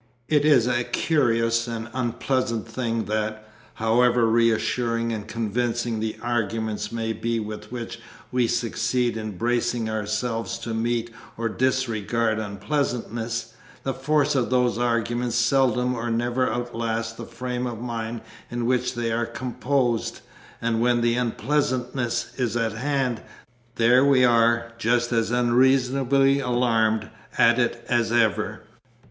It is a curious and unpleasant thing that, however reassuring and convincing the arguments may be with which we succeed in bracing ourselves to meet or disregard unpleasantness, the force of those arguments seldom or never outlasts the frame of mind in which they are composed, and when the unpleasantness is at hand, there we are, just as unreasonably alarmed at it as ever.